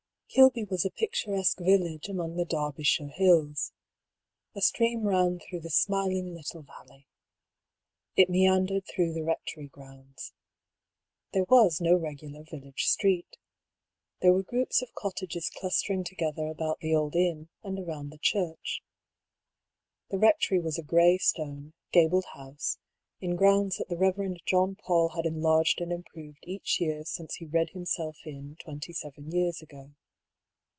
Kilby was a picturesque village among the Derby shire hills. A stream ran through the smiling little valley. It meandered through the rectory grounds. There was no regular village street. There were groups of cottages clustering together about the old inn, and around the church. The rectory was a grey stone, gabled house, in grounds that the Reverend John PauU had enlarged and improved each year since he " read himself in " twenty seven years ago.